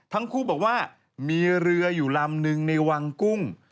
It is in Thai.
ทั้งคู่บอกว่ามีเรืออยู่ลำนึงในวังกุ้ง